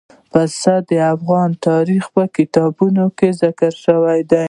پسه د افغان تاریخ په کتابونو کې ذکر شوی دي.